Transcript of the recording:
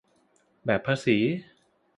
แบบภาษี